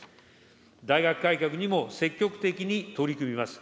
大学改革にも積極的に取り組みます。